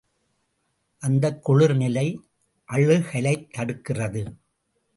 அந்தக் குளிர் நிலை அழுகலைத் தடுக்கிறது.